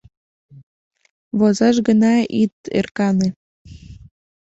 Возаш гына ит ӧркане.